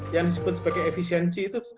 yang disebut sebagai efisiensi itu